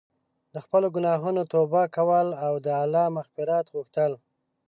د خپلو ګناهونو توبه کول او د الله مغفرت غوښتل.